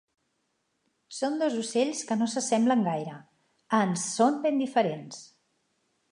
Són dos ocells que no s'assemblen gaire, ans són ben diferents.